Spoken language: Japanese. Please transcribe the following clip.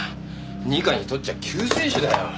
二課にとっちゃ救世主だよ。